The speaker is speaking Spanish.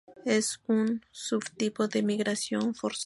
Es un subtipo de Migración forzosa.